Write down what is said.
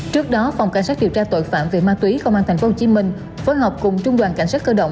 trước đó phòng cảnh sát điều tra tội phạm về ma túy công an tp hcm phối hợp cùng trung đoàn cảnh sát cơ động